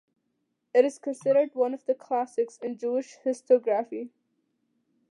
It is considered one of the classics in Jewish historiography.